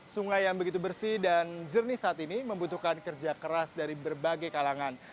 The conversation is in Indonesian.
sungai yang begitu bersih dan jernih saat ini membutuhkan kerja keras dari berbagai kalangan